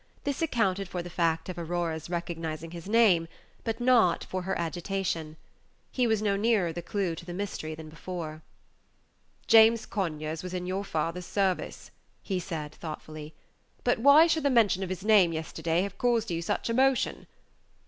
This accounted for the fact of Aurora's recognizing his name, but not for her agitation. He was no nearer the clew to the mystery than before. "James Conyers was in your father's service," he said, thoughtfully; "but why should the mention of his name yesterday have caused you such emotion?"